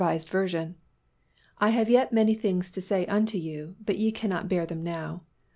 V., "I have yet many things to say unto you, but ye cannot bear them now.